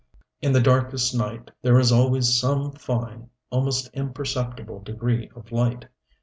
In the darkest night there is always some fine, almost imperceptible degree of light.